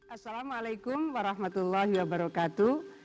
assalamu'alaikum warahmatullahi wabarakatuh